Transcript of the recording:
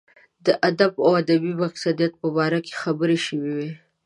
د ادب او ادبي مقصدیت په باره کې خبرې شوې وې.